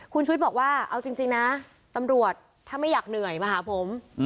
คุณชุวิตบอกว่าเอาจริงนะตำรวจถ้าไม่อยากเหนื่อยมาหาผม